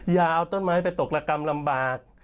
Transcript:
อย่าเอาต้นไม้ไปตกระกำลำบาก